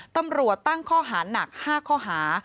ตำรวจตั้งข้อหาหนัก๕ข้อหา